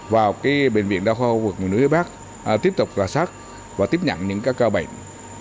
và bệnh viện đa khoa hội vực miền núi bắc tiếp tục lòa sát và tiếp nhận những ca bệnh